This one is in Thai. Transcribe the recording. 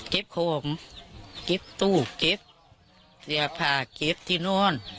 เก็บของเก็บตู้เก็บเสียผ้าเก็บที่นอน